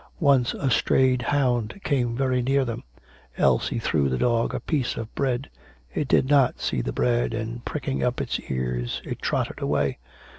Once a strayed hound came very near them, Elsie threw the dog a piece of bread. It did not see the bread, and pricking up its ears it trotted away.